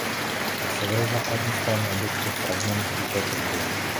Na severozápadní straně objektu je fragment zdi této budovy.